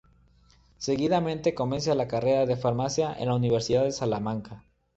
Seguidamente comienza la carrera de Farmacia en la Universidad de Salamanca.